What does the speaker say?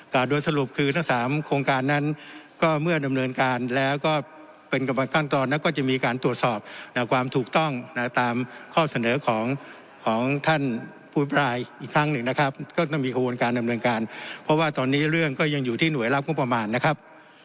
โดยสรุปคือทั้งสามโครงการนั้นก็เมื่อดำเนินการแล้วก็เป็นกำลังขั้นตอนแล้วก็จะมีการตรวจสอบความถูกต้องนะตามข้อเสนอของของท่านผู้อภรายอีกครั้งหนึ่งนะครับก็ต้องมีขบวนการดำเนินการเพราะว่าตอนนี้เรื่องก็ยังอยู่ที่หน่วยรับงบประมาณนะครับ